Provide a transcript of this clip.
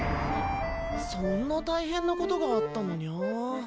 そんな大変なことがあったのにゃ。